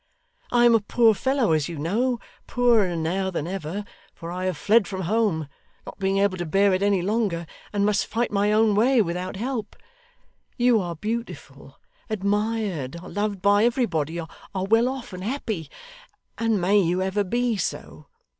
I am a poor fellow, as you know poorer now than ever, for I have fled from home, not being able to bear it any longer, and must fight my own way without help. You are beautiful, admired, are loved by everybody, are well off and happy; and may you ever be so!